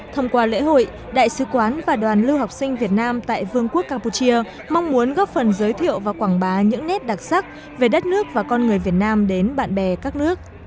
thông qua lễ hội đại sứ quán và đoàn lưu học sinh việt nam tại vương quốc campuchia mong muốn góp phần giới thiệu và quảng bá những nét đặc sắc về đất nước và con người việt nam đến bạn bè các nước